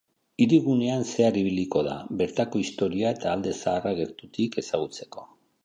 Hirigunean zehar ibiliko da, bertako historia eta alde zaharra gertutik ezagutzeko.